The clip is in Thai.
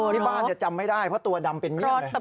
ที่บ้านจำไม่ได้เพราะตัวดำเป็นเมียมเลย